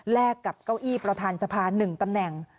กับเก้าอี้ประธานสภา๑ตำแหน่ง